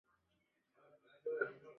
布罗德盖石圈是新石器时代遗迹。